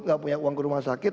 nggak punya uang ke rumah sakit